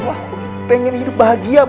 aku pengen hidup bahagia